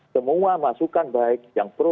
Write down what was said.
semua masukan baik yang pro